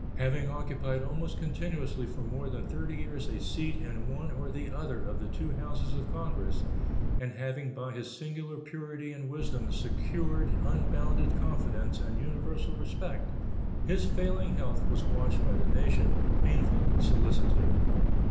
Having occupied almost continuously for more than thirty years a seat in one or the other of the two Houses of Congress, and having by his singular purity and wisdom secured unbounded confidence and universal respect, his failing health was watched by the nation with painful solicitude.